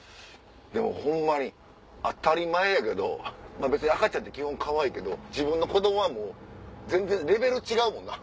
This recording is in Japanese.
でもホンマに当たり前やけど別に赤ちゃんって基本かわいいけど自分の子供はもう全然レベル違うもんな。